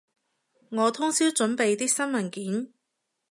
我通宵準備啲新文件